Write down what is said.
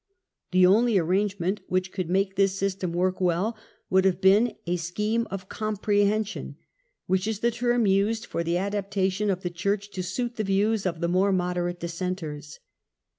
The only arrangement which could make this system work well would have been a scheme of "comprehension", which is the term used for the adaptation of the Church to suit the views of the more moderate Dissenters.